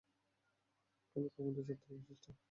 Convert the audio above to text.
College ভবনটি চার তলা বিশিষ্ট।